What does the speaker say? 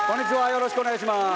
よろしくお願いします。